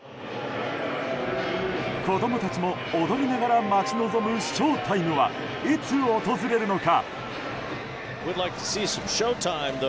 子供たちも踊りながら待ち望むショウタイムはいつ訪れるのか。